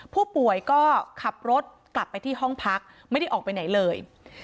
ผู้ป่วยก็ขับรถกลับไปที่ห้องพักไม่ได้ออกไปไหนเลย